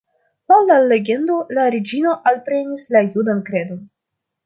Laŭ la legendo, la reĝino alprenis la judan kredon.